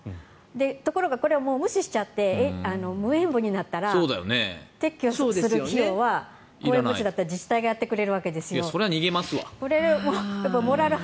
ところが、これを無視しちゃって無縁墓になったら撤去する費用は公営墓地だったら自治体がやってくれるわけです。